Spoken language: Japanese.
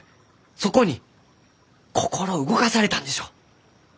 そこに心を動かされたんでしょ？